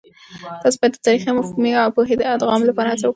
تاسې باید د تاريخي او مفهومي پوهه د ادغام لپاره هڅه وکړئ.